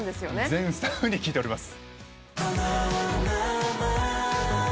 全スタッフに聞いてます。